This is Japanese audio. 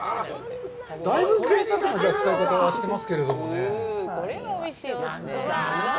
だいぶぜいたくな使い方をしてますけれどもね。